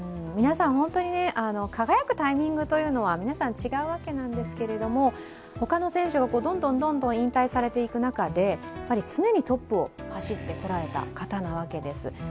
皆さん本当に、輝くタイミングというのは皆さん違うわけなんですけれども他の選手がどんどん引退されていく中で常にトップを走ってこられた方なわけです。